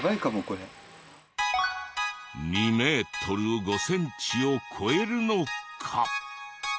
２メートル５センチを超えるのか？